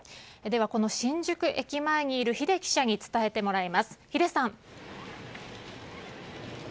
では、この新宿駅前にいる秀記者に伝えてもらいます。